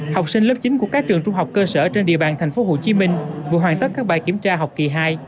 học sinh lớp chín của các trường trung học cơ sở trên địa bàn tp hcm vừa hoàn tất các bài kiểm tra học kỳ hai